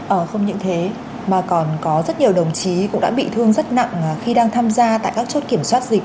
ở không những thế mà còn có rất nhiều đồng chí cũng đã bị thương rất nặng khi đang tham gia tại các chốt kiểm soát dịch